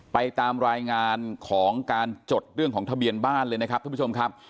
ตามรายงานของการจดเรื่องของทะเบียนบ้านเลยนะครับท่านผู้ชมครับ